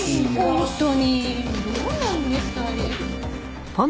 本当にどうなんですかあれ。